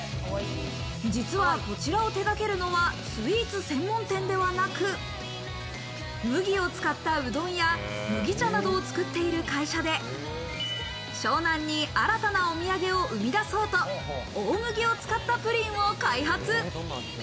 実は、こちらを手がけるのはスイーツ専門店ではなく、麦を使った、うどんや麦茶などを作っている会社で、湘南に新たなお土産を生み出そうと、大麦を使ったプリンを開発。